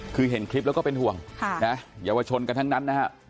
คือเห็นคลิปแล้วก็เป็นห่วงเยาวชนกันทั้งนั้นนะฮะ